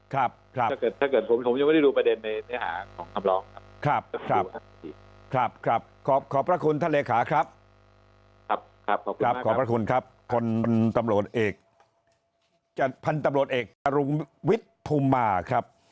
ขอบครับครับขอบพระคุณท่านเหลวราชครับ